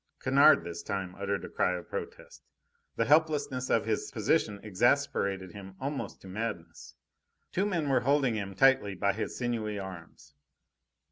Kennard this time uttered a cry of protest. The helplessness of his position exasperated him almost to madness. Two men were holding him tightly by his sinewy arms.